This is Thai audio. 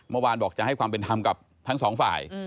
เมื่อวานบอกจะให้ความเป็นธรรมกับทั้งสองฝ่าย